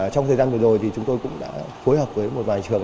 trong thời gian vừa rồi thì chúng tôi cũng đã phối hợp với một vài trường